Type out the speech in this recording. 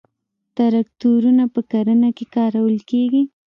تراکتورونه په کرنه کې کارول کیږي